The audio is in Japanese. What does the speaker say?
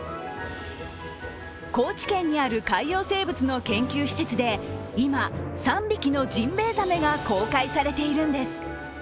高知県にある海洋生物の研究施設で、今、３匹のジンベエザメが公開されているんです。